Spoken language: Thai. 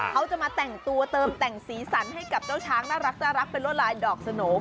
เขาจะมาแต่งตัวเติมแต่งสีสันให้กับเจ้าช้างน่ารักเป็นรวดลายดอกสโหน่ง